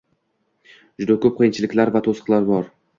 Juda ko'p qiyinchiliklar va to'siqlar bor